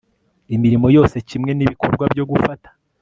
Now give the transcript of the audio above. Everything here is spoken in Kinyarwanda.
imirimo yose kimwe n ibikorwa byo gufata